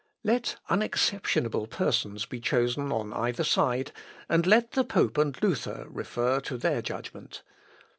Let unexceptionable persons be chosen on either side, and let the pope and Luther refer to their judgment.